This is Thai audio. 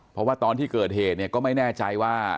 เพราะว่าตอนที่เกิดเหตุเนี่ยก็ไม่แน่ใจว่า